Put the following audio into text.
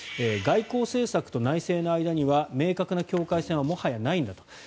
外交政策と内政の間には明確な境界線はもはやないんだと。